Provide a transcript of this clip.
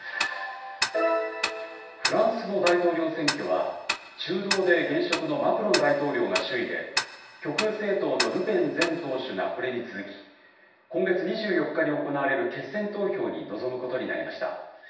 フランスの大統領選挙は、中道で現職のマクロン大統領が首位で、極右政党のルペン前党首がこれに続き、今月２４日に行われる決選投票に臨むことになりました。